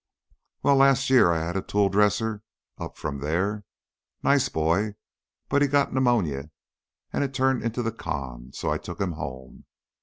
Well, last year I had a tool dresser from up there; nice boy, but he got pneumonia and it turned into the 'con,' so I took him home.